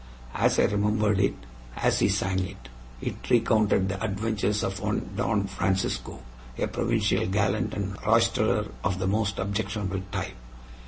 As I remembered it as he sang it it recounted the adventures of one Don Francisco, a provincial gallant and roisterer of the most objectionable type.